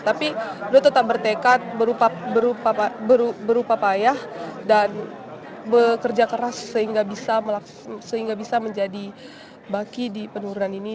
tapi lo tetap bertekad berupa payah dan bekerja keras sehingga bisa menjadi baki di penurunan ini